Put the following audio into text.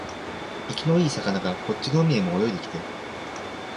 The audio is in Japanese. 生きのいい魚がこっちの海へも泳いできて、